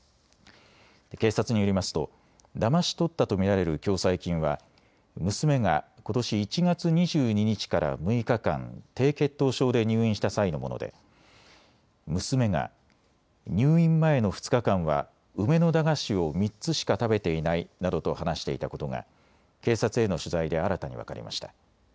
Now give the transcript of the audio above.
警察によりますとだまし取ったと見られる共済金は娘がことし１月２２日から６日間、低血糖症で入院した際のもので娘が入院前の２日間は梅の駄菓子を３つしか食べていないなどと話していたことが警察への取材で新たに分かりました。